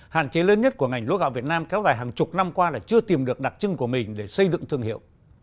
hạn chế lớn nhất của ngành lúa gạo việt nam kéo dài hàng chục năm qua là chưa tìm được đặc trưng của mình để xây dựng thương hiệu